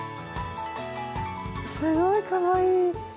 すごいかわいい。